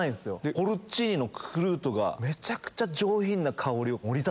ポルチーニのクルートがめちゃくちゃ上品な香りを。